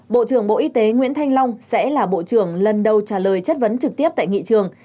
bộ trưởng bộ y tế nguyễn thanh long sẽ là bộ trưởng lần đầu trả lời chất vấn trực tiếp tại nghị trường